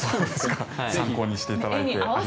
参考にしていただいて。